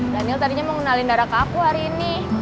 daniel tadinya mau ngenalin darah ke aku hari ini